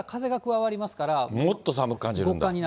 もっと寒く感じるんだ。